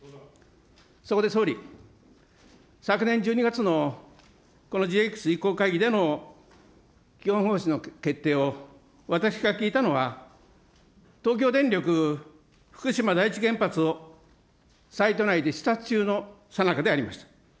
そこで総理、昨年１２月のこのＧＸ移行会議での基本方針の決定を私が聞いたのは、東京電力福島第一原発をサイト内で視察中のさなかでありました。